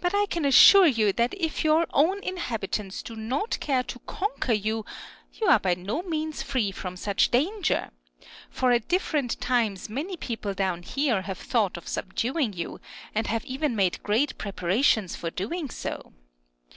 But I can assure you that if your own inhabitants do not care to conquer you, you are by no means free from such danger; for at different times many people down here have thought of subduing you, and have even made great preparations for doing so.